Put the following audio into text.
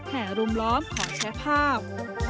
แหห่รุมล้อมขอใช้ภาพ